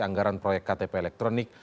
anggaran proyek ktp elektronik